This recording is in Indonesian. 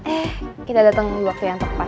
eh kita datang di waktu yang tepat